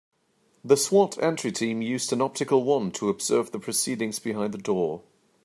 The S.W.A.T. entry team used an optical wand to observe the proceedings behind the door.